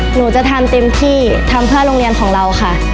หนูจะทำเต็มที่ทำเพื่อโรงเรียนของเราค่ะ